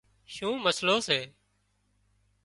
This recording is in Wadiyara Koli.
شُون مسئلو سي